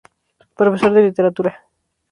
Profesor de Literatura.